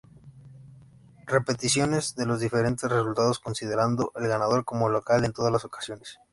Repeticiones de los diferentes resultados, considerando el ganador como local en todas las ocasiones.